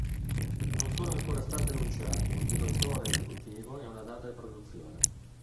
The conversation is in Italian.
Non sono ancora stati annunciati un direttore esecutivo e una data di produzione.